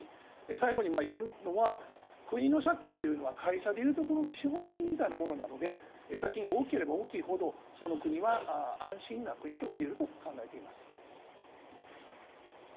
最後に言えるのは国の借金というのは会社でいうところの資本金みたいなことなので借金が多ければ大きいほど、その国は安心な国といえると考えています。